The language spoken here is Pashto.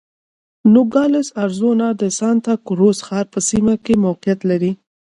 نوګالس اریزونا د سانتا کروز ښار په سیمه کې موقعیت لري.